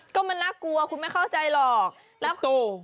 ก็มันนักกลัวคุณไม่เข้าใจหรอก